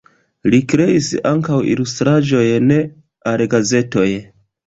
Li kreis ankaŭ ilustraĵojn al gazetoj.